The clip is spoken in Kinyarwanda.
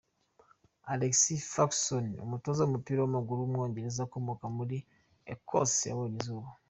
Alex Ferguson, umutoza w’umupira w’amaguru w’umwongereza ukomoka muri Ecosse yabonye izuba.